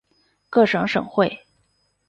各省省会。